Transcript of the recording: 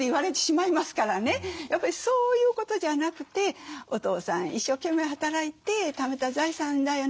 やっぱりそういうことじゃなくて「お父さん一生懸命働いてためた財産だよね。